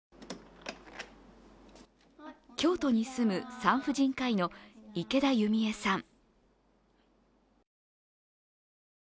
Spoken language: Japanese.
京都に住む産婦人科医の池田裕美枝さん。